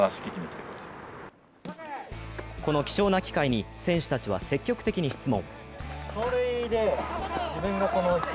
この貴重な機会に選手たちは積極的に質問。